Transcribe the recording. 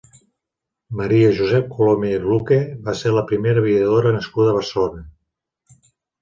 Maria Josep Colomer i Luque va ser la primera aviadora nascuda a Barcelona.